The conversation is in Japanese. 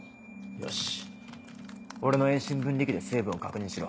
よし俺の遠心分離機で成分を確認しろ。